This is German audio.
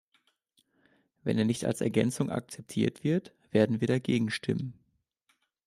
Wenn er nicht als Ergänzung akzeptiert wird, werden wir dagegen stimmen.